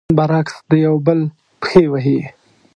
برعکس، د يو بل پښې وهي.